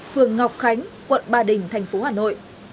phường ngọc khánh quận ba đình thành phố hà nội